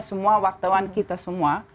semua wartawan kita semua